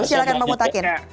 silakan pak mutakin